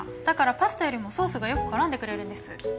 だからパスタよりもソースがよく絡んでくれるんです。